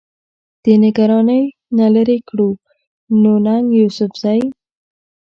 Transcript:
د نګرانۍ نه لرې کړو، نو ننګ يوسفزۍ